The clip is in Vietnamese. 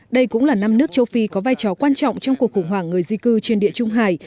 đây cũng là năm nước châu phi có vai trò quan trọng trong cuộc khủng hoảng người di cư trên địa trung hải